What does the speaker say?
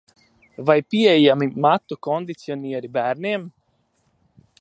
Vai pieejami matu kondicionieri bērniem?